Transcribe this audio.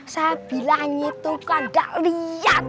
saya bilang itu kan tidak lihat